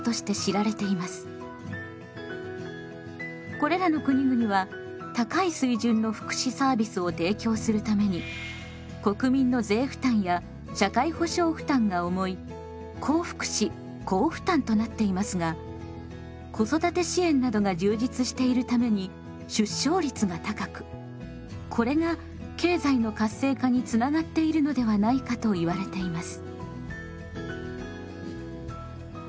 これらの国々は高い水準の福祉サービスを提供するために国民の税負担や社会保障負担が重い高福祉・高負担となっていますが子育て支援などが充実しているために出生率が高くこれが経済の活性化につながっているのではないかと言われています。